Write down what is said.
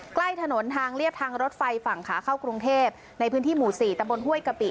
ใกล้ถนนทางเรียบทางรถไฟฝั่งขาเข้ากรุงเทพในพื้นที่หมู่๔ตะบนห้วยกะปิ